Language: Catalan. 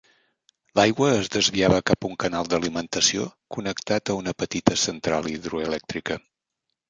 L'aigua es desviava cap a un canal d'alimentació connectat a una petita central hidroelèctrica.